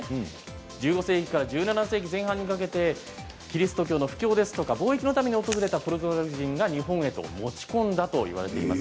１５世紀から１７世紀前半にかけて、キリスト教の布教や貿易のために訪れたポルトガル人が日本に持ち込んだといわれています。